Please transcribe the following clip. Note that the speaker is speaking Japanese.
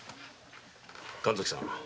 神崎さん。